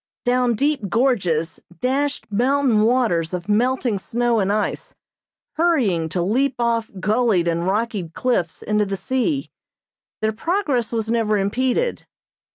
Down deep gorges dashed mountain waters of melting snow and ice, hurrying to leap off gullied and rocky cliffs into the sea. Their progress was never impeded.